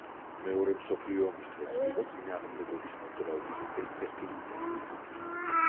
მეორე მსოფლიო ომის დროს იყო წინააღმდეგობის მოძრაობის ერთ-ერთი ლიდერი.